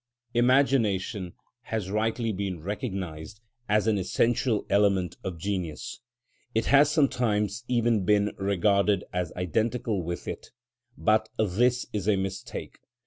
Imagination has rightly been recognised as an essential element of genius; it has sometimes even been regarded as identical with it; but this is a mistake.